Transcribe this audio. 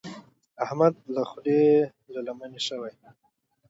احمد له خولې له لمنې شوی دی.